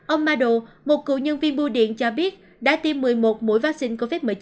ông madu một cựu nhân viên bưu điện cho biết đã tiêm một mươi một mũi vaccine covid một mươi chín